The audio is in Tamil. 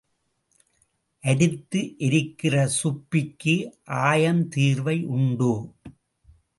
அரித்து எரிக்கிற சுப்பிக்கு ஆயம் தீர்வை உண்டோ?